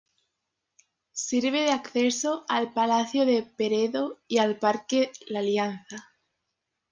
Sirve de acceso al Palacio de Peredo y al Parque La Alianza.